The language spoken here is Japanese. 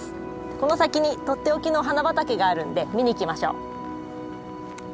この先にとっておきのお花畑があるんで見に行きましょう。